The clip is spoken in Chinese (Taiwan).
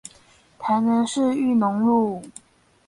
台南市裕農路